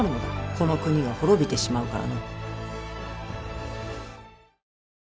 この国が滅びてしまうからの。